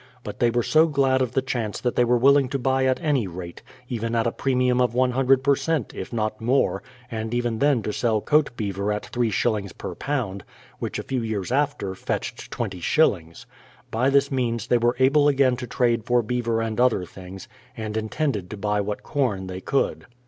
But they were so glad of the chance that they were willing to buy at any rate, — even at a pre mium of loo per cent, if not more, and even then to sell coat beaver at three shillings per pound, which a few years after fetched twenty shillings. By this means they were able again to trade for beaver and other things, and intended to buy what corn they could.